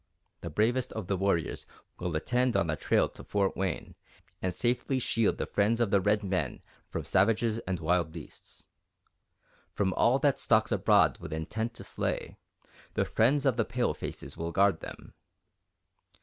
The bravest of the warriors will attend on the trail to Fort Wayne and safely shield the friends of the red men from savages and wild beasts. From all that stalks abroad with intent to slay, the friends of the palefaces will guard them.